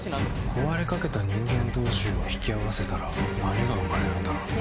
壊れかけた人間同士を引き合わせたら何が生まれるんだろうね。